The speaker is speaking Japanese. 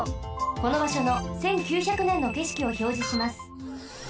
このばしょの１９００ねんのけしきをひょうじします。